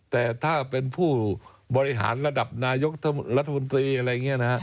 แต่ถ้าเป็นผู้บริหารระดับนายกรัฐมนตรีอะไรอย่างนี้นะฮะ